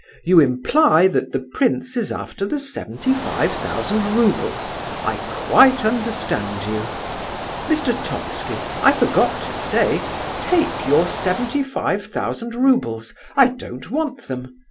"You imply that the prince is after the seventy five thousand roubles—I quite understand you. Mr. Totski, I forgot to say, 'Take your seventy five thousand roubles'—I don't want them.